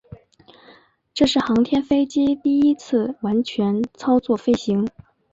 这是航天飞机第一次完全操作飞行。